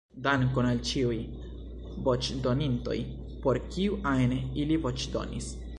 Dankon al ĉiuj voĉdonintoj, por kiu ajn ili voĉdonis.